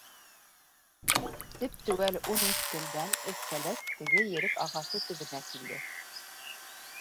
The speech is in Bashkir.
Теп-теүәл ун өс көндән Өф-Фәләс теге ерек ағасы төбөнә килде.